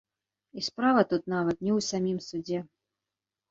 І справа тут нават не ў самім судзе.